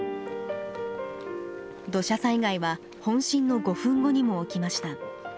土砂災害は本震の５分後にも起きました。